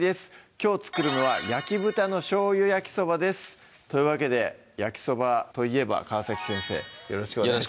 きょう作るのは「焼豚のしょうゆ焼きそば」ですというわけで焼きそばといえば川先生よろしくお願いします